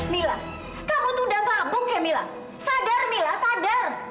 mila kamu tuh udah ngabuk ya mila sadar mila sadar